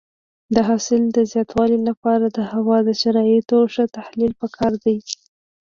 د حاصل د زیاتوالي لپاره د هوا د شرایطو ښه تحلیل پکار دی.